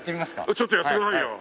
ちょっとやってくださいよ。